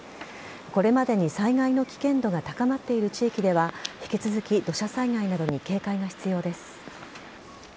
これまでに災害の危険度が高まっている地域では引き続き土砂災害などに警戒が必要です。